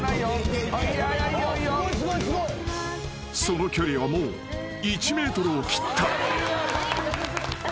［その距離はもう１ｍを切った］